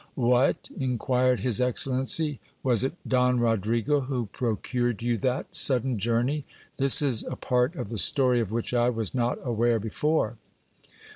What ! inquired his excellency, was it Don Rodrigo who procured you that sudden journey? this a part of the story of which I was not aware before.